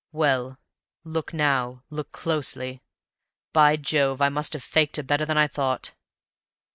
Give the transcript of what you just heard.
"Well, look now look closely. By Jove, I must have faked her better than I thought!"